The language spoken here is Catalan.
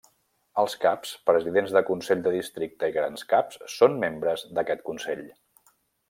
Els caps, presidents de consells de districte i grans caps són membres d'aquest Consell.